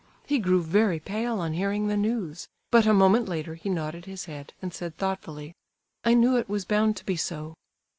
He grew very pale on hearing the news; but a moment later he nodded his head, and said thoughtfully: "I knew it was bound to be so."